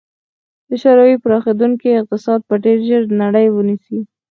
د شوروي پراخېدونکی اقتصاد به ډېر ژر نړۍ ونیسي.